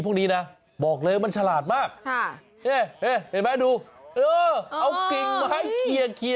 พวกนี้นะบอกเลยมันฉาหลาดมากเนี่ยเห็นไหมดูเอากิ่งขี่เอา